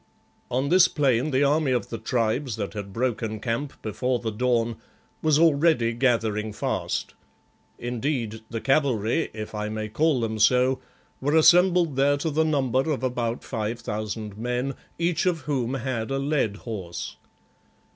On this plain the army of the Tribes that had broken camp before the dawn was already gathering fast; indeed, the cavalry, if I may call them so, were assembled there to the number of about five thousand men, each of whom had a led horse.